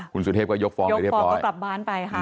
คุณสุเทพก็ยกฟ้องไปเรียบร้อยก็กลับบ้านไปค่ะ